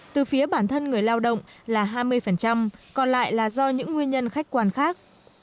từ phía bản thân người lao động là hai mươi còn lại là do những nguyên nhân khách quan khác